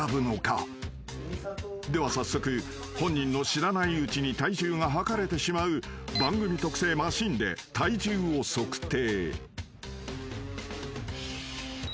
［では早速本人の知らないうちに体重が量れてしまう番組特製マシンで体重を測定］